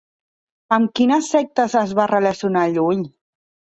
Amb quines sectes es va relacionar Llull?